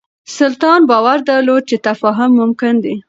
سلطان باور درلود چې تفاهم ممکن دی.